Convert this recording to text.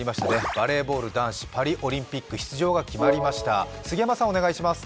バレーボール男子、パリオリンピック出場が決まりました、杉山さんお願いします。